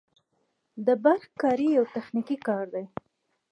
د برق کاري یو تخنیکي کار دی